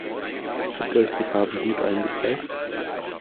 Habt ihr euch die Farben gut eingeprägt?